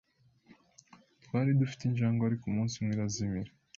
Twari dufite injangwe, ariko umunsi umwe irazimira.